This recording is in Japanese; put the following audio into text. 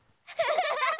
ハハハハ！